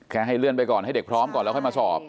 ให้เลื่อนไปก่อนให้เด็กพร้อมก่อนแล้วค่อยมาสอบ